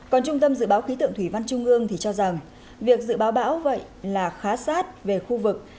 còn trung tâm dự báo khí tượng thủy văn trung ương thì cho rằng việc dự báo bão vậy là khá sát về khu vực